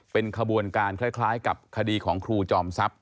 เป็นขบวนการคล้ายกับคดีของครูจอมทรัพย